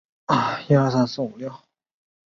东汉初年复名衙县。